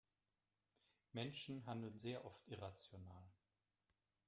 Menschen handeln sehr oft irrational.